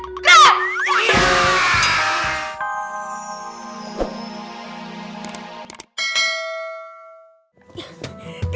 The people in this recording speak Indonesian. tidak pasti kamu banting ya